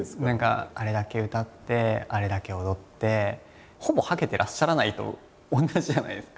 あれだけ歌ってあれだけ踊ってほぼはけてらっしゃらないと同じじゃないですか。